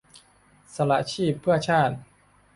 สละชีพเพื่อชาติ